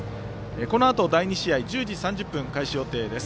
このあと第２試合、１０時３０分開始予定です。